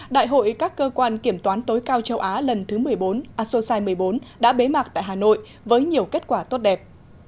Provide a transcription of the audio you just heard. đại hội các cơ quan kiểm toán tối cao châu á lần thứ một mươi bốn đã bế mạc tại hà nội với nhiều kết quả tốt đẹp